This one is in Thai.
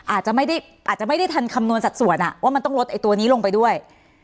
อาจจะไม่ได้อาจจะไม่ได้ทันคำนวณสัดส่วนว่ามันต้องลดไอ้ตัวนี้ลงไปด้วย